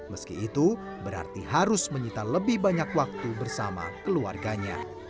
meski itu berarti harus menyita lebih banyak waktu bersama keluarganya